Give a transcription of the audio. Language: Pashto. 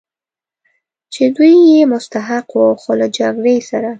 چې دوی یې مستحق و، خو له جګړې سره.